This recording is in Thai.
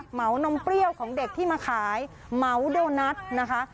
เหวนมเปรี้ยวของเด็กที่มาขายเหมาโดนัทนะคะ